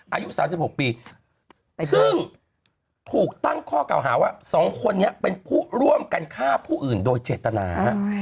อายุ๓๖ปีซึ่งถูกตั้งข้อเก่าหาว่า๒คนนี้เป็นผู้ร่วมกันฆ่าผู้อื่นโดยเจตนา